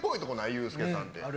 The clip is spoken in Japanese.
ユースケさんって。